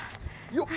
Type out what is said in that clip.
よっ！